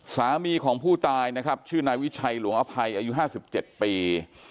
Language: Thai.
สามีของผู้ตายนะครับชื่อนายวิชัยหลวงอภัยอายุ๕๗ปี